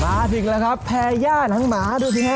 มาถึงแล้วครับแพรย่าหนังหมาดูสิฮะ